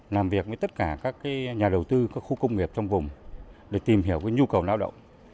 làm việc với tất cả các nhà đầu tư các khu công nghiệp trong vùng để tìm hiểu nhu cầu lao động